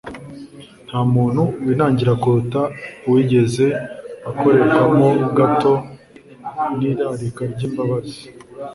Nta muntu winangira kuruta uwigeze akorerwamo gato n'irarika ry'imbabazi